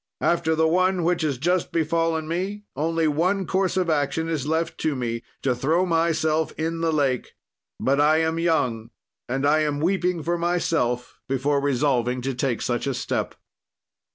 "'After the one which has just befallen me only one course of action is left to me, to throw myself in the lake. But I am young, and I am weeping for myself before resolving to take such a step.'